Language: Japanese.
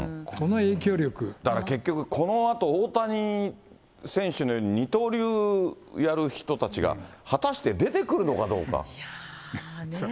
だから結局、このあと大谷選手のように二刀流やる人たちが果たして出てくるのかどうか。